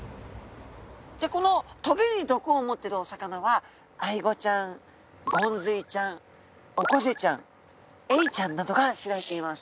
でこの棘に毒を持っているお魚はアイゴちゃんゴンズイちゃんオコゼちゃんエイちゃんなどが知られています。